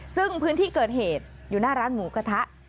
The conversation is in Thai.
ซึ่งพื้นที่เกิดเหตุอยู่หน้าร้านหมูกระทะ